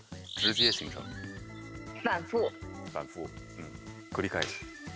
うん繰り返す。